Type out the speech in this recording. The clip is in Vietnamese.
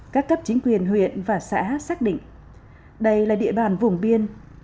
các cấp chính quyền huyện và xã xác định đây là địa bàn vùng biên